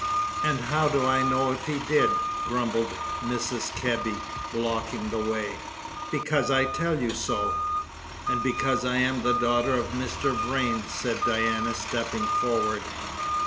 "And how do I know if he did?" grumbled Mrs. Kebby, blocking the way. "Because I tell you so." "And because I am the daughter of Mr. Vrain," said Diana, stepping forward.